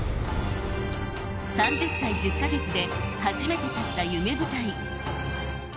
３０歳１０カ月で初めて立った夢舞台。